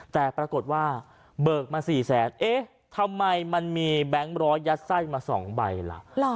แต่ปรากฏว่าเบิกมา๔แสนเอ๊ะทำไมมันมีแบงค์ร้อยยัดไส้มา๒ใบล่ะ